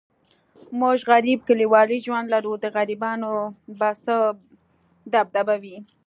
موږ غریب کلیوالي ژوند لرو، د غریبانو به څه دبدبه وي.